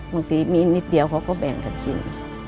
บางทีมีนิดเดียวเขาก็แบ่งกันกิน